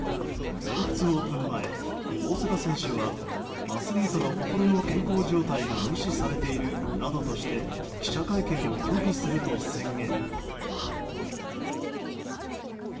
全仏オープン前大坂選手はアスリートの心の健康状態が無視されているなどとして記者会見を拒否すると宣言。